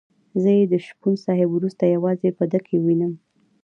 زه یې د شپون صاحب وروسته یوازې په ده کې وینم.